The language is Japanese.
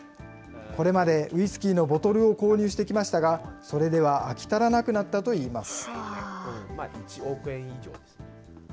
これまでウイスキーのボトルを購入してきましたが、それでは飽き足らなくなったといいます。